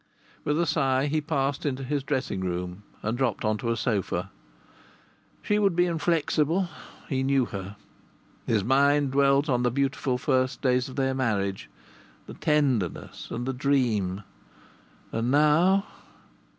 With a sigh he passed into his dressing room and dropped on to a sofa. She would be inflexible he knew her. His mind dwelt on the beautiful first days of their marriage, the tenderness and the dream! And now